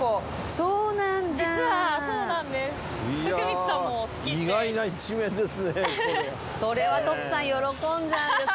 そうなんです。